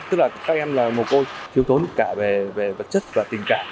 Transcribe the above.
tức là các em là một cô thiếu thốn cả về vật chất và tình cảm